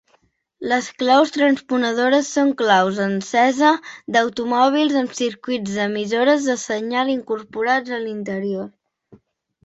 Les claus transponedores són claus d'encesa d'automòbils amb circuits d'emissores de senyal incorporats a l'interior.